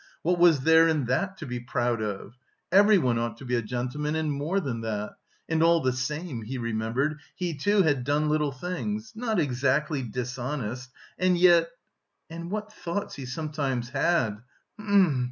what was there in that to be proud of? Everyone ought to be a gentleman and more than that... and all the same (he remembered) he, too, had done little things... not exactly dishonest, and yet.... And what thoughts he sometimes had; hm...